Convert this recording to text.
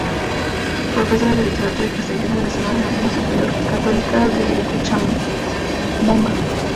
Profesora de Literatura y Castellano, egresada de la Normal Superior Católica de Cochabamba.